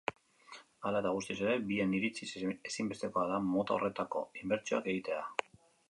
Hala eta guztiz ere, bien iritziz ezinbestekoa da mota horretako inbertsioak egitea.